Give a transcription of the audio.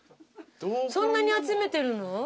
そんなに集めてるの？